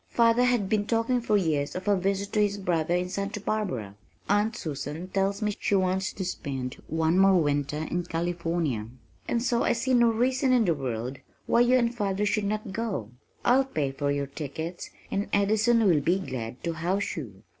Father has been talking for years of a visit to his brother in Santa Barbara. Aunt Susan tells me she wants to spend one more winter in California, and so I see no reason in the world why you and father should not go. I'll pay for your tickets and Addison will be glad to house you.